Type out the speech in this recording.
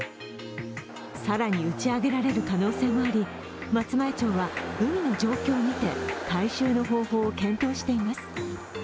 更に打ち上げられる可能性もあり松前町は、海の状況を見て回収の方法を検討しています。